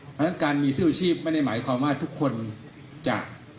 เพราะฉะนั้นการมีชื่ออาชีพไม่ได้หมายความว่าทุกคนจะ